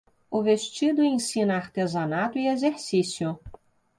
O vestido ensina artesanato e exercício.